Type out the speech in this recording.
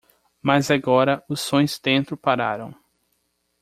Mas agora os sons dentro pararam.